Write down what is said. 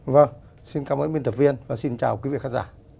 vâng xin cảm ơn biên tập viên và xin chào quý vị khán giả